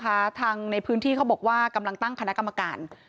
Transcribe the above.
ทางในพื้นที่เขาบอกว่ากำลังตั้งคณะกรรมการ